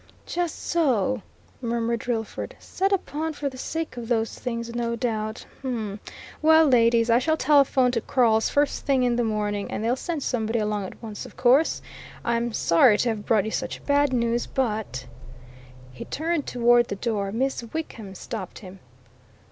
"Just so!" murmured Drillford. "Set upon for the sake of those things, no doubt. Well, ladies, I shall telephone to Crawle's first thing in the morning, and they'll send somebody along at once, of course. I'm sorry to have brought you such bad news, but " He turned toward the door; Miss Wickham stopped him.